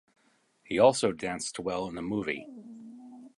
He also danced well in the movie.